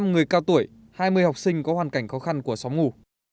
một mươi năm người cao tuổi hai mươi học sinh có hoàn cảnh khó khăn của xóm ngù